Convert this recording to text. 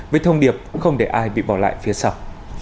với thông điệp không để ai biết